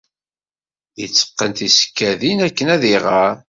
Yetteqqen tisekkadin akken ad iɣer.